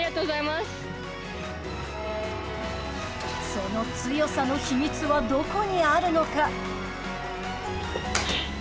その強さの秘密はどこにあるのか？